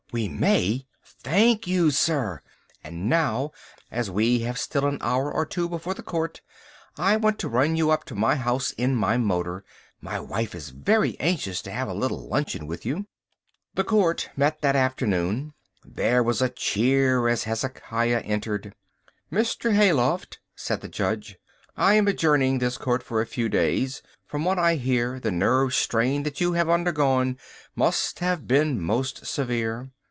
We may! Thank you, sir. And now, as we have still an hour or two before the court, I want to run you up to my house in my motor. My wife is very anxious to have a little luncheon with you." The court met that afternoon. There was a cheer as Hezekiah entered. "Mr. Hayloft," said the judge, "I am adjourning this court for a few days. From what I hear the nerve strain that you have undergone must have been most severe.